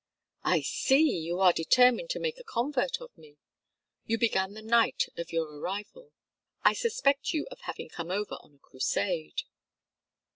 "I see! You are determined to make a convert of me. You began the night of your arrival. I suspect you of having come over on a crusade."